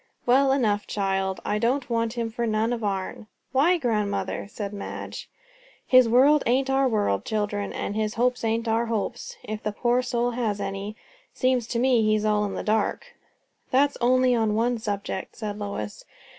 "Well enough, child. I don't want him for none of our'n." "Why, grandmother?" said Madge. "His world ain't our world, children, and his hopes ain't our hopes if the poor soul has any. 'Seems to me he's all in the dark." "That's only on one subject," said Lois.